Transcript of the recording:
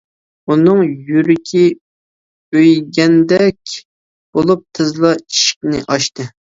ئۇنىڭ يۈرىكى ئۆيگەندەك بولۇپ، تېزلا ئىشىكنى ئاچتى.